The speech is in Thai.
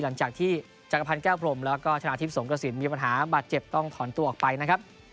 หลังจากที่จักรพันธ์แก้วพรมแล้วก็ชนะทิพย์สงกระสินมีปัญหาบาดเจ็บต้องถอนตัวออกไปนะครับ